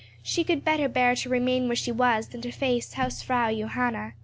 —she could better bear to remain where she was than to face Hausfrau Johanna.